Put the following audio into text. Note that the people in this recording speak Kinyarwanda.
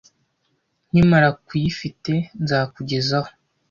Nkimara kuyifite, nzakugezaho.